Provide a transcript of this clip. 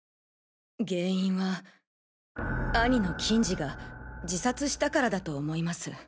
原因は兄の欣二が自殺したからだと思います。